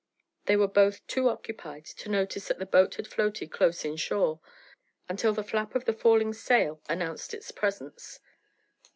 They were both too occupied to notice that the boat had floated close in shore, until the flap of the falling sail announced its presence.